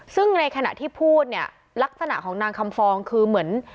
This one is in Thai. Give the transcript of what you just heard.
ซึ่งในขณะที่พูดเนี่ยลักษณะของนางคำฟองคือเหมือน